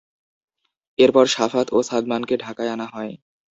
এরপর শাফাত ও সাদমানকে ঢাকায় আনা হয়।